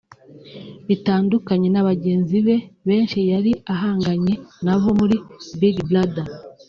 Bitandukanye na bagenzi be benshi yari ahanganye na bo muri Big Brother